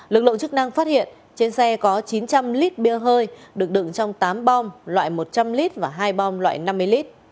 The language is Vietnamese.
lực lượng chức năng phát hiện trên xe có chín trăm linh lít bia hơi được đựng trong tám bom loại một trăm linh lít và hai bom loại năm mươi lít